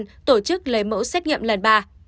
để tổ chức lấy mẫu xét nghiệm lần ba